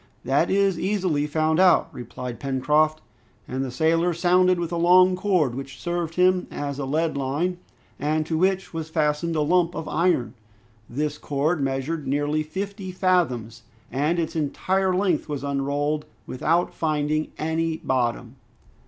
"That is easily found out," replied Pencroft. And the sailor sounded with a long cord, which served him as a lead line, and to which was fastened a lump of iron. This cord measured nearly fifty fathoms, and its entire length was unrolled without finding any bottom.